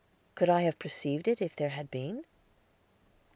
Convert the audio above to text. Could I have perceived it if there had been?